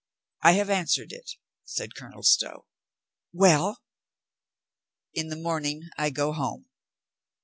"I have answered it," said Colonel Stow. "Well?" "In the morning I go home."